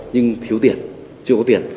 nhưng thiếu tiền chưa có tiền